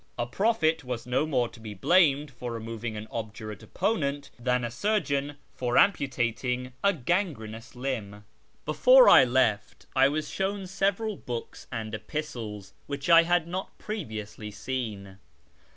A prophet was no more to be blamed for removing an obdurate opponent than a surgeon for amputating a gangrenous limb. Before I left I was shown several books and epistles which I had not previously seen.